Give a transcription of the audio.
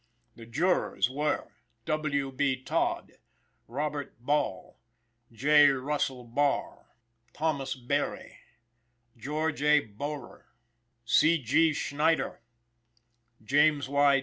The jurors were W. B. Todd, Robert Ball, J. Russell Barr, Thomas Berry, George A. Bohrer, C. G. Schneider, James Y.